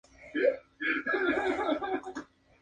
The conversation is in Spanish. El base rival cruzó toda la cancha y lanzó un decisivo triple.